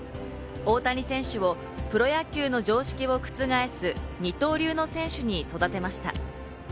大谷選手をプロ野球の常識を覆す二刀流の選手に育てました。